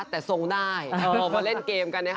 แต่ทรงได้ออกมาเล่นเกมกันนะคะ